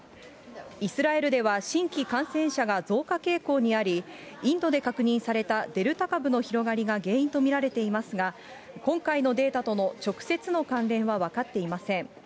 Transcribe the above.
イスラエルでは、新規感染者が増加傾向にあり、インドで確認されたデルタ株の広がりが原因と見られていますが、今回のデータとの直接の関連は分かっていません。